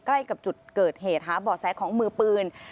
ใกล้กับจุดเกิดเหตุหาบ่อแสของมือปืน